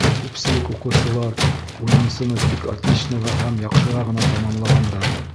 Күпселек уҡыусылар унынсыны тик отличноға һәм яҡшыға ғына тамамлағандар.